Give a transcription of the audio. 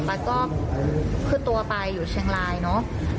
ปายก็ขึ้นตัวไปอยู่เชียงรายเนาะ